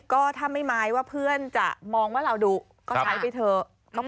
ก็ถ้าไม่ไม้ว่าเพื่อนจะมองว่าเราดุก็ใช้ไปเถอะ